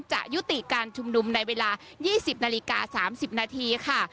ยุติการชุมนุมในเวลา๒๐นาฬิกา๓๐นาทีค่ะ